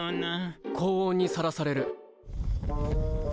高温にさらされる。